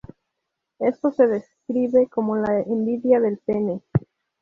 Esto se describe como la envidia del pene.